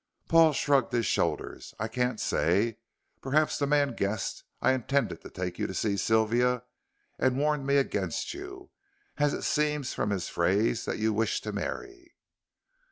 Paul shrugged his shoulders. "I can't say. Perhaps the man guessed I intended to take you to see Sylvia, and warned me against you, as it seems from his phrase that you wish to marry."